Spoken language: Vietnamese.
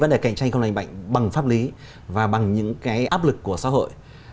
vấn đề cạnh tranh không lành mạnh bằng pháp lý và bằng những cái áp lực của xã hội